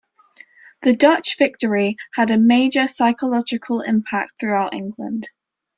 The Dutch victory had a major psychological impact throughout England.